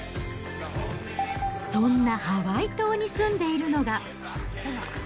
そんなハワイ島に住んでいるのが。